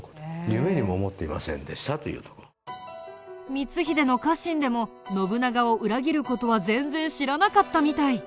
光秀の家臣でも信長を裏切る事は全然知らなかったみたい。